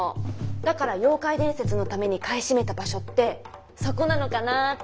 だから妖怪伝説のために買い占めた「場所」ってそこなのかなーって。